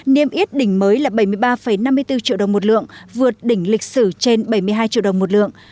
niêm yết đỉnh mới là bảy mươi ba năm mươi bốn triệu đồng một lượng vượt đỉnh lịch sử trên bảy mươi hai triệu đồng một lượng